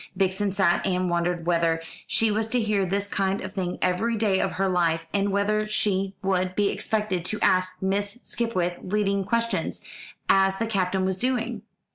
Vixen sat and wondered whether she was to hear this kind of thing every day of her life, and whether she would be expected to ask Miss Skipwith leading questions, as the Captain was doing.